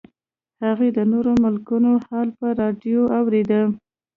هغې د نورو ملکونو حال په راډیو اورېده